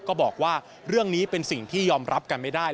ก็บอกว่าเรื่องนี้เป็นสิ่งที่ยอมรับกันไม่ได้